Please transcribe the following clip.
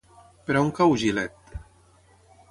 Per on cau Gilet?